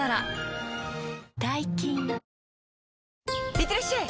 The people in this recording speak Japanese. いってらっしゃい！